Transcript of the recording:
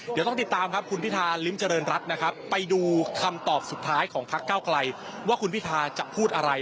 เดี๋ยวต้องติดตามครับคุณพิธาริมเจริญรัฐนะครับไปดูคำตอบสุดท้ายของพักเก้าไกลว่าคุณพิทาจะพูดอะไร